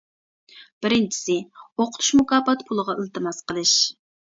بىرىنچىسى : ئوقۇتۇش مۇكاپات پۇلىغا ئىلتىماس قىلىش.